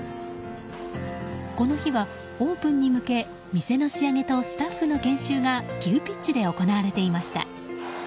この日は、オープンに向け店の仕上げとスタッフの研修が急ピッチで行われていました。